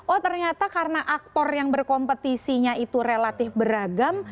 oh ternyata karena aktor yang berkompetisinya itu relatif beragam